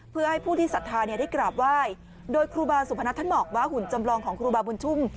เพื่อให้ผู้ที่ศรัทธาเนี่ยได้กราบไหว้โดยครูบาสุพนัทท่านบอกว่าหุ่นจำลองของครูบาบุญชุ่ม